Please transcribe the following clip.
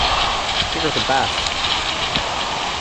You’re the best!